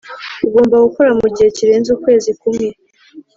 Ugomba gukora mu gihe kirenze ukwezi kumwe